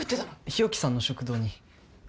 日置さんの食堂に。